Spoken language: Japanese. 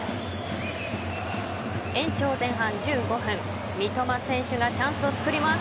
延長前半１５分三笘選手がチャンスを作ります。